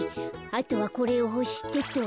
あとはこれをほしてと。